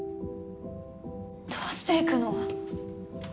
どうして行くの？